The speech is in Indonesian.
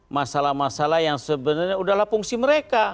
masalah masalah yang sebenarnya udahlah fungsi mereka